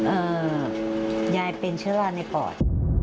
ยายเป็นเชื้อราในปอด